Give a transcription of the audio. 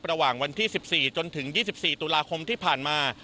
ระหว่างวันที่๑๔จนถึง๒๔ตุลาคมที่ผ่านมา